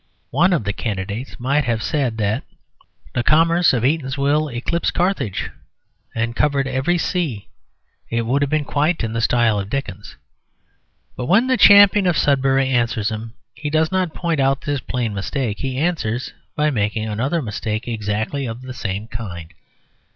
One of the candidates might have said that the commerce of Eatanswill eclipsed Carthage, and covered every sea; it would have been quite in the style of Dickens. But when the champion of Sudbury answers him, he does not point out this plain mistake. He answers by making another mistake exactly of the same kind.